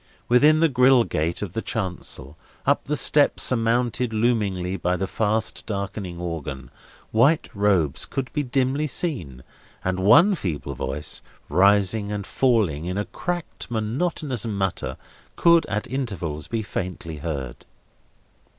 Within the grill gate of the chancel, up the steps surmounted loomingly by the fast darkening organ, white robes could be dimly seen, and one feeble voice, rising and falling in a cracked, monotonous mutter, could at intervals be faintly heard.